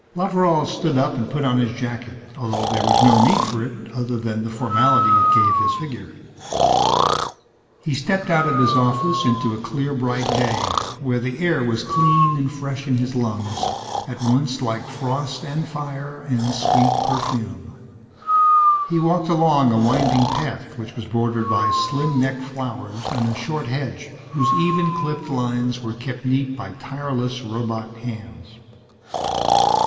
Loveral stood up and put on his jacket, although there was no need for it, other than the formality it gave his figure. He stepped out of his office into a clear bright day, where the air was clean and fresh in his lungs, at once like frost and fire and sweet perfume. He walked along a winding path, which was bordered by slim necked flowers and a short hedge whose even clipped lines were kept neat by tireless robot hands.